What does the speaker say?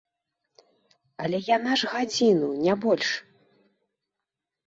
Але яна ж гадзіну, не больш.